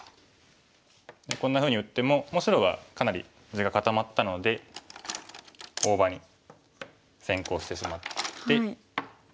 こんなふうに打ってももう白はかなり地が固まったので大場に先行してしまって。